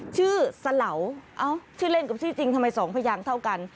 สเหลาเอ้าชื่อเล่นกับชื่อจริงทำไมสองพยางเท่ากัน